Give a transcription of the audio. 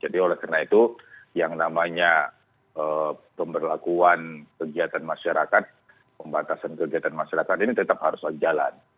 oleh karena itu yang namanya pemberlakuan kegiatan masyarakat pembatasan kegiatan masyarakat ini tetap harus berjalan